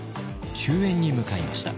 救援に向かいました。